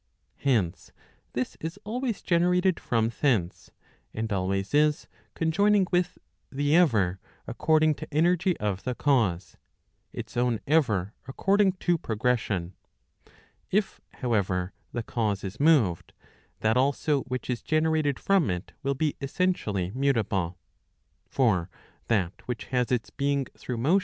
Hence, this is always generated from thence, and always is, conjoining with the ever according to energy of the cause, its own ever according to progression. If, how¬ ever, the cause is moved, that also which is generated from it will be essentially mutable. For that which has its being through motion, Proc. Vol. II.